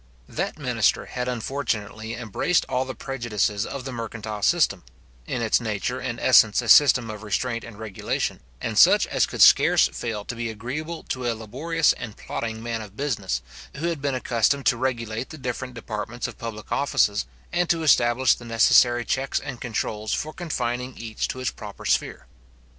That minister had unfortunately embraced all the prejudices of the mercantile system, in its nature and essence a system of restraint and regulation, and such as could scarce fail to be agreeable to a laborious and plodding man of business, who had been accustomed to regulate the different departments of public offices, and to establish the necessary checks and controls for confining each to its proper sphere.